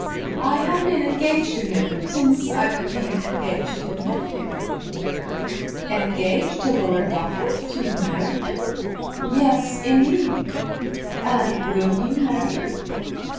"I have been engaged to him since I became engaged to your nephew." "Engaged to Lord Rufford, to marry him?" "Yes, indeed." "And will you marry him?"